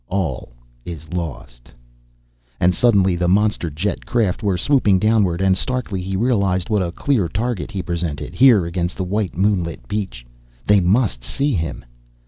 "All is lost!" And suddenly the monster jet craft were swooping downward and starkly he realized what a clear target he presented, here against the white moonlit beach. They must see him.